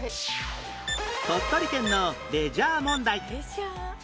鳥取県のレジャー問題